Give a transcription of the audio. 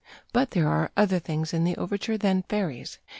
But there are other things in the overture than fairies.